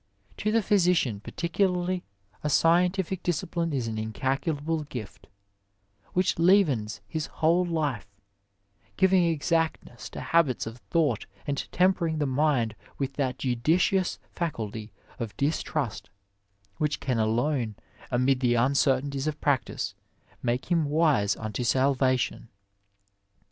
To the physician particularly a scientific discipline is an incalculable gift, which leavens his whole life, giving exact ness to habits of thought and tempering the mind with that judicious faculty of distrust which can alone, amid the uncertainties of practice, make him wise unto salvation.